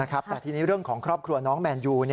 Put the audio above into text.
แต่ทีนี้เรื่องของครอบครัวน้องแมนยู